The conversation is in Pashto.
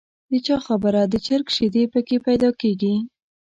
د چا خبره د چرګ شیدې په کې پیدا کېږي.